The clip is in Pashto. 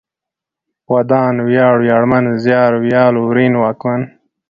ودان ، وياړ ، وياړمن ، زيار، ويال ، ورين ، واکمن